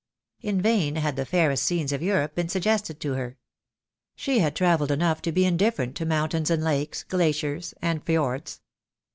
In vain had the fairest scenes of Europe been suggested to her. She had travelled enough to be indifferent to mountains and lakes, glaciers, and fjords.